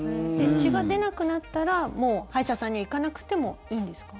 血が出なくなったらもう歯医者さんには行かなくてもいいんですか？